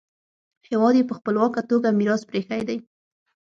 هېواد یې په خپلواکه توګه میراث پریښی دی.